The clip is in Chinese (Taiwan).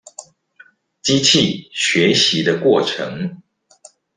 機器學習的過程